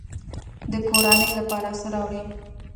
د کورنۍ لپاره څه راوړئ؟